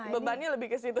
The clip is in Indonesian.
bebannya lebih ke situ